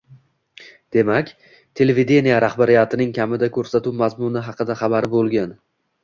Demak, televideniye rahbariyatining kamida ko‘rsatuv mazmuni haqida xabari bo‘lgan.